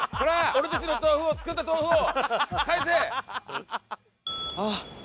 俺たちの豆腐を作った豆腐を返せ！